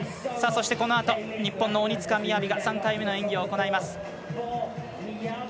そして、このあと日本の鬼塚雅が３回目の演技を行います。